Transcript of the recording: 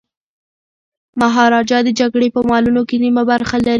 مهاراجا د جګړې په مالونو کي نیمه برخه لري.